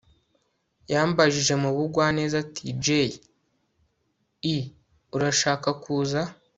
yambajije mu bugwaneza ati jay i urashaka kuza